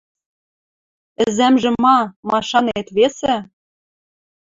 «Ӹзӓмжӹ ма? Машанет, весӹ?